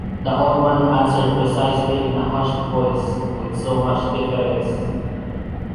The old man answered precisely in a hushed voice, with so much deference.